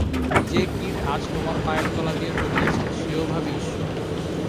যে-কীট আজ তোমার পায়ের তলা দিয়া চলিয়াছে, সেও ভাবী ঈশ্বর।